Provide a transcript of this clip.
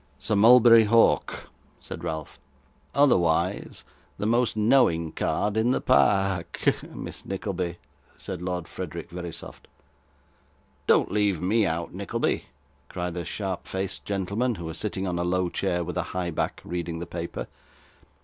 'Sir Mulberry Hawk,' said Ralph. 'Otherwise the most knowing card in the pa ack, Miss Nickleby,' said Lord Frederick Verisopht. 'Don't leave me out, Nickleby,' cried a sharp faced gentleman, who was sitting on a low chair with a high back, reading the paper.